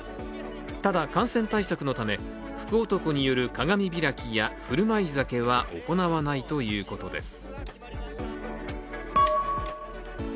ただ感染対策のため、福男による鏡開きや振る舞い酒は行わないということです。